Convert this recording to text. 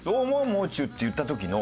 もう中」って言った時の。